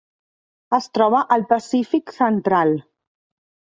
Es troba al Pacífic central: